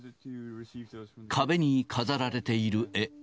壁に飾られている絵。